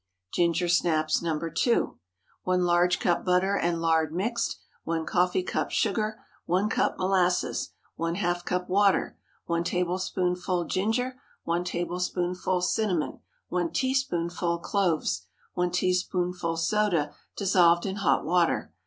GINGER SNAPS (No. 2.) 1 large cup butter and lard mixed. 1 coffee cup sugar. 1 cup molasses. ½ cup water. 1 tablespoonful ginger. 1 tablespoonful cinnamon. 1 teaspoonful cloves. 1 teaspoonful soda dissolved in hot water.